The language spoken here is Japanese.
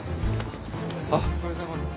おはようございます。